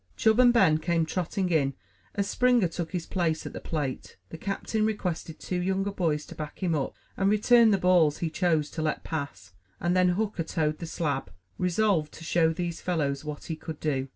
Chub and Ben came trotting in as Springer took his place at the plate. The captain requested two younger boys to back him up and return the balls he chose to let pass, and then Hooker toed the slab, resolved to show these fellows what he could do.